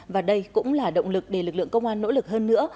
và đây cũng là động lực để lực lượng công an nỗ lực hơn nữa